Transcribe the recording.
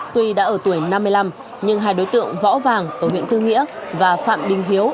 tuy đã ở tuổi năm mươi năm nhưng hai đối tượng võ vàng ở huyện tư nghĩa và phạm đình hiếu